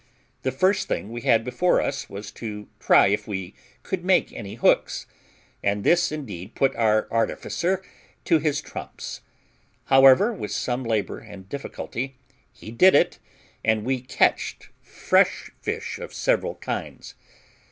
The first thing we had before us was to try if we could make any hooks, and this indeed put our artificer to his trumps; however, with some labour and difficulty, he did it, and we catched fresh fish of several kinds.